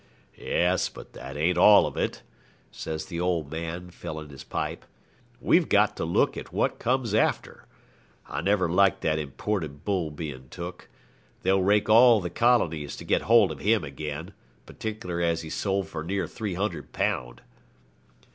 'Yes, but that ain't all of it,' says the old man, filling his pipe. 'We've got to look at what comes after. I never liked that imported bull being took. They'll rake all the colonies to get hold of him again, partic'ler as he sold for near three hundred pound.'